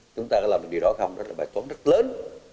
chúng ta làm được điều đó không đó là bài toán rất lớn